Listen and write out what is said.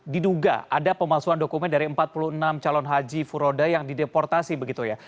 diduga ada pemalsuan dokumen dari empat puluh enam calon haji furoda yang dideportasi begitu ya